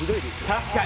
確かに。